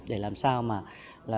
để làm sao mà là